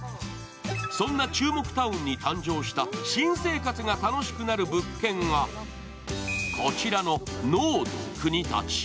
そんな注目タウンに誕生した新生活が楽しくなる物件がこちらのノード国立。